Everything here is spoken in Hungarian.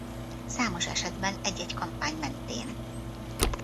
Számos esetben egy-egy kampány mentén.